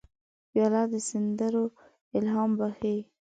پیاله د سندرو الهام بخښي.